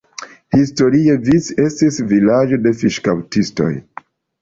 Historie Vic estis vilaĝo de fiŝkaptistoj.